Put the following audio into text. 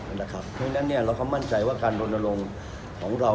เพราะฉะนั้นเราก็มั่นใจว่าการรณรงค์ของเรา